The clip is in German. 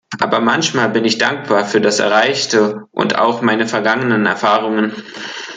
Aber manchmal bin ich dankbar für das Erreichte und auch meine vergangenen Erfahrungen.